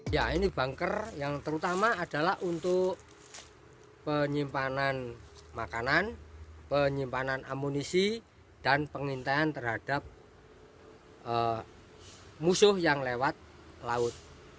ya ini bunker yang terutama adalah untuk penyimpanan makanan penyimpanan amunisi dan pengintaian terhadap musuh yang lewat laut